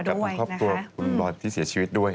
หมอนฯกับครอบครัวพี่โรษที่เสียชีวิตด้วย